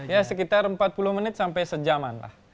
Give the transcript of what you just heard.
ya sekitar empat puluh menit sampai sejaman lah